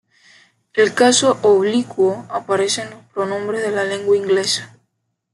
El caso oblicuo aparece en los pronombres de la lengua inglesa.